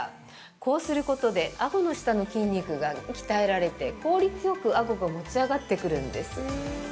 こうすることで、あごの下の筋力が鍛えられて効率よくあごが持ち上がってくるんです。